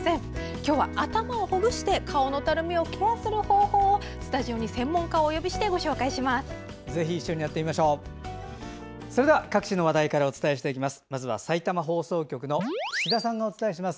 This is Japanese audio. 今日は頭をほぐして顔のたるみを撃退する方法をスタジオに専門家をお呼びしてご紹介します。